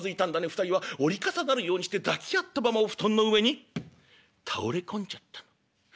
２人は折り重なるようにして抱き合ったままお布団の上に倒れ込んじゃったの」。